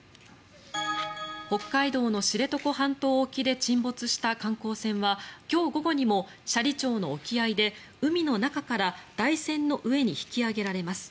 北海道の知床半島沖で沈没した観光船は今日午後にも斜里町の沖合で海の中から台船の上に引き揚げられます。